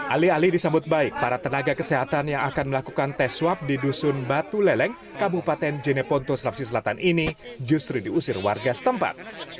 alih alih disambut baik para tenaga kesehatan yang akan melakukan tes swab di dusun batu leleng kabupaten jeneponto selapsi selatan ini justru diusir warga setempat